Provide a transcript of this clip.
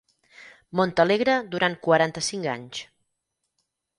Montalegre durant quaranta-cinc anys.